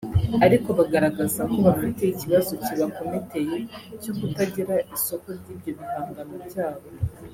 ariko bagaragaza ko bafite ikibazo kibakometeye cyo kutagira isoko ry’ibyo bihangano byabo